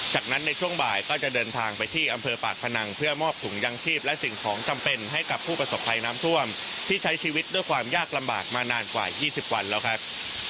จากนั้นในช่วงบ่ายก็จะเดินทางไปที่อำเภอปากพนังเพื่อมอบถุงยังชีพและสิ่งของจำเป็นให้กับผู้ประสบภัยน้ำท่วมที่ใช้ชีวิตด้วยความยากลำบากมานานกว่า๒๐วันแล้วครับ